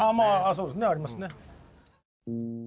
そうですねありますね。